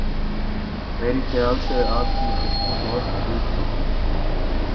میری خیال سے آپ کی آنکھیں بہت خوب ہوتی ہیں.